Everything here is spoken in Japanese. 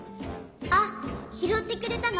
あっひろってくれたの？